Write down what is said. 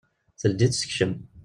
Teldi-tt tekcem.